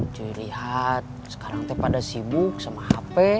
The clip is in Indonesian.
ucuy lihat sekarang teh pada sibuk sama hp